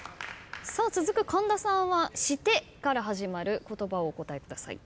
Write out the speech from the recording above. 続く神田さんは「して」から始まる言葉をお答えください。